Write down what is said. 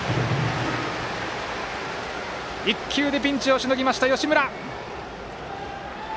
１球でピンチをしのぎました吉村。